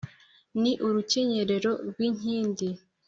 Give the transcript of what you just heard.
ni urukenyerero rw’inkindi